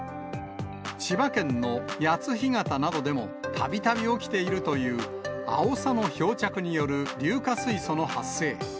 千葉県の谷津干潟などでも、たびたび起きているという、アオサの漂着による硫化水素の発生。